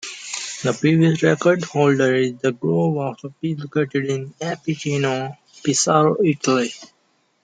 The previous record holder is the Globe of Peace located in Apecchio, Pesaro, Italy.